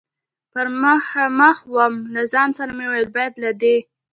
پر مخامخ ووم، له ځان سره مې وویل: باید له دې.